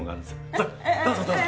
さあどうぞどうぞ。